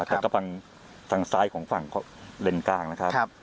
แต่ก็พังทางซ้ายของฝั่งเลนกลางนะครับ